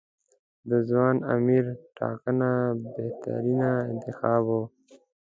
د ځوان امیر ټاکنه بهترین انتخاب و.